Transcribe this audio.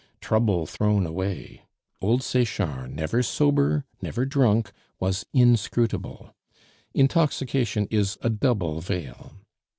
Trouble thrown away! Old Sechard, never sober, never drunk, was inscrutable; intoxication is a double veil.